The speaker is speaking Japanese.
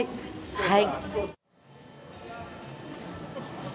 はい。